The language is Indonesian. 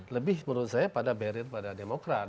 lebih menurut saya pada barrier pada demokrat